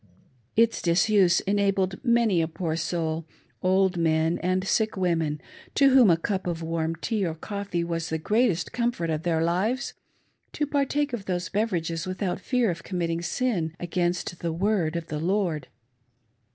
Its disuse enabled many a poor soul — old men and sick women to whom a cup of warm tea or coffee was the greatest comfort of their lives — to partake of those beverages without fear ot committing sin against the " Word " of the Lord.